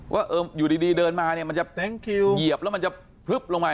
ว่าอยู่ดีเดินมาเนี่ยมันจะเหยียบแล้วมันจะพลึบลงไป